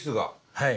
はい。